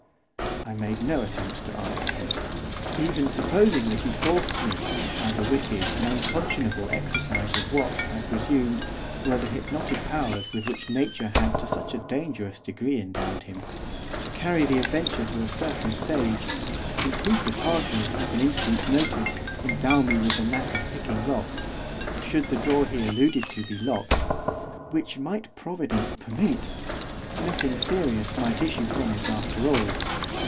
I made no attempt to answer him. Even supposing that he forced me, by the wicked, and unconscionable exercise of what, I presumed, were the hypnotic powers with which nature had to such a dangerous degree endowed him, to carry the adventure to a certain stage, since he could hardly, at an instant's notice, endow me with the knack of picking locks, should the drawer he alluded to be locked which might Providence permit! nothing serious might issue from it after all.